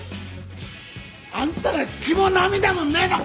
あんたら血も涙もねえのか！